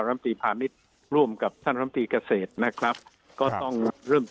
ลำตีพาณิชย์ร่วมกับท่านลำตีเกษตรนะครับก็ต้องเริ่ม